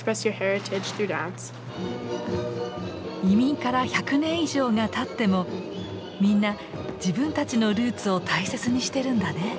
移民から１００年以上がたってもみんな自分たちのルーツを大切にしてるんだね。